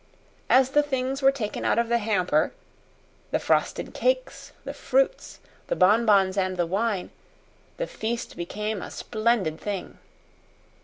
As the things were taken out of the hamper the frosted cakes the fruits the bonbons and the wine the feast became a splendid thing.